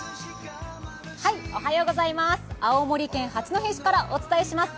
青森県八戸市からお伝えします。